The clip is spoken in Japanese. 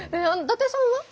伊達さんは？